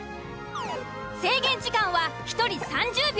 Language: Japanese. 制限時間は１人３０秒。